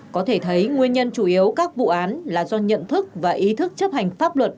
có thể thấy nguyên nhân chủ yếu các vụ án là do nhận thức và ý thức chấp hành pháp luật